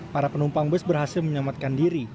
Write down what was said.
para penumpang bus berhasil menyelamatkan diri